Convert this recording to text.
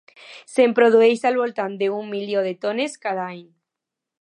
Se'n produeix al voltant d'un milió de tones cada any.